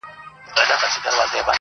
تورلباس واغوندهیاره باک یې نسته،